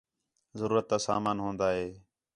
ضرورت تا سامان ہون٘دا ہِے